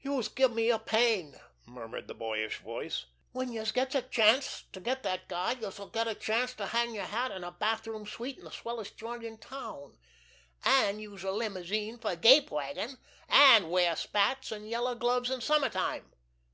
"Youse give me a pain!" murmured the boyish voice. "When youse gets a chance to get dat guy, youse'll get a chance to hang yer hat in a bathroom suite in de swellest joint in town, an' use a limousine fer a gape wagon, an' wear white spats an' yellow gloves in summer time.